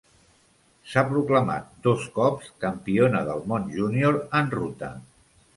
S'ha proclamat dos cops campiona del món júnior en ruta.